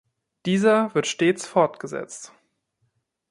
Dieser wird stets fortgesetzt.